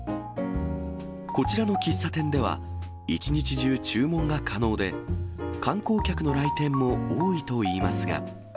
こちらの喫茶店では、１日中注文が可能で、観光客の来店も多いといいますが。